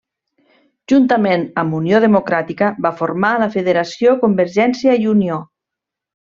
Juntament amb Unió Democràtica va formar la federació Convergència i Unió.